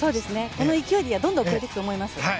この勢いでどんどん超えていくと思います。